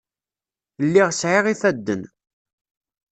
Lliɣ sɛiɣ ifadden.